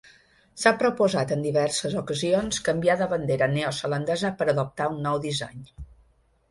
S'ha proposat en diverses ocasions canviar la bandera neozelandesa per adoptar un nou disseny.